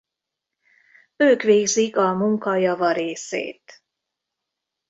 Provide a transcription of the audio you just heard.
Ők végzik a munka java részét.